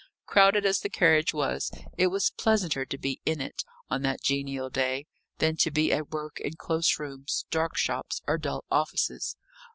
Crowded as the carriage was, it was pleasanter to be in it, on that genial day, than to be at work in close rooms, dark shops, or dull offices.